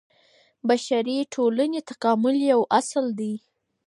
د بشري ټولني تکامل يو اصل دی.